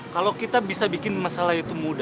kalau kita bisa bikin masalah itu mudah